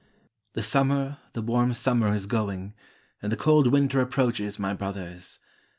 "The summer, the warm summer is going. And the cold winter approaches, my brothers.